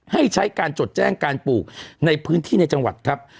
ให้ใช้การจดแจ้งการปลูกในพื้นที่ในจังหวัดครับ